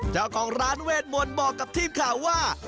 เจ้าของร้านเวทมนต์บอกกับทีมข่าวว่า